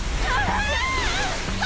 あ！